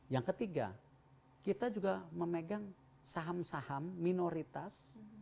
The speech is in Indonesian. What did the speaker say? yang ketiga kita juga memegang saham saham minoritas